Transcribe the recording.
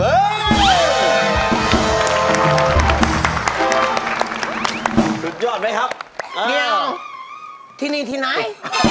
ขอบคุณพี่หอยเยอะมากครับพี่หอย